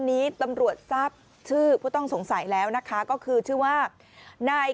นี้ตำรวจทราบชื่อผู้ต้องสงสัยแล้วนะคะก็คือชื่อว่านาย